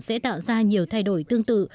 sẽ tạo ra nhiều thay đổi tương tự